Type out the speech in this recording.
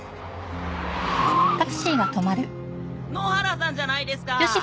野原さんじゃないですか！